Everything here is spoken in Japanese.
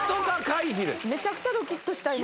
めちゃくちゃドキッとした今。